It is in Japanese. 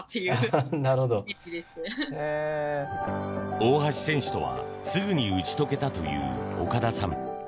大橋選手とはすぐに打ち解けたという岡田さん。